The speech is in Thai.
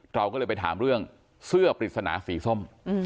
เราก็เลยไปถามเรื่องเสื้อปริศนาสีส้ม